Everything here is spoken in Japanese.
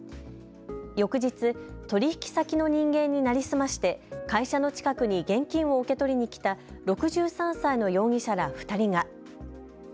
翌日、取引先の人間に成り済まして会社の近くに現金を受け取りに来た６３歳の容疑者ら２人が。